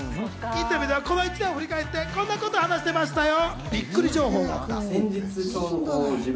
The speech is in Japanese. インタビューではこの１年を振り返って、こんなことを話していましたよ。